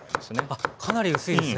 あっかなり薄いですね。